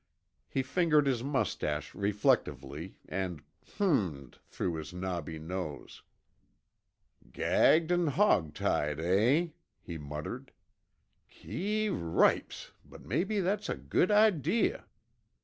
He fingered his mustache reflectively and h'mmm'd through his knobby nose. "Gagged an' hawg tied, eh," he muttered. "Keeee ripes, but mebbe that's a good idee."